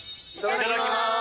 いただきます！